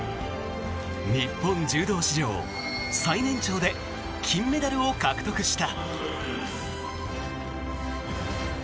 日本柔道史上最年長で金メダルを獲得した。